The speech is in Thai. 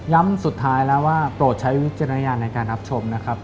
สุดท้ายแล้วว่าโปรดใช้วิจารณญาณในการรับชมนะครับ